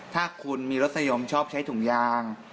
ถ้าคุณมีรสยมชอบใช้ถุงยาง